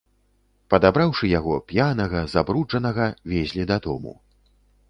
Падабраўшы яго, п'янага, забруджанага, везлі дадому.